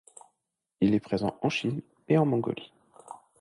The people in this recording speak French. Il est présent en Chine et en Mongolie.